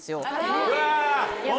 うわ！